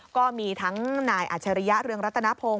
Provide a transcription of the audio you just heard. ก็มีทั้งนายอัจฉริยะเรืองรัตนพงศ